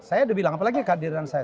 saya udah bilang apalagi kehadiran saya